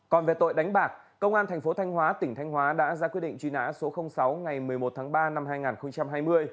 còn về tội đánh bạc công an thành phố thanh hóa tỉnh thanh hóa đã ra quyết định truy nã số sáu ngày một mươi một tháng ba năm hai nghìn hai mươi